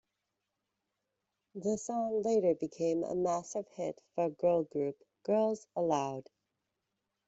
The song later became a massive hit for girl group Girls Aloud.